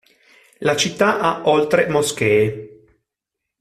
La città ha oltre moschee.